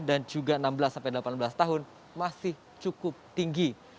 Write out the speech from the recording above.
dan juga enam belas sampai delapan belas tahun masih cukup tinggi